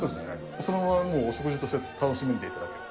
そのままお食事として楽しんでいただける。